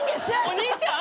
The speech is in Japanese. お兄ちゃん！？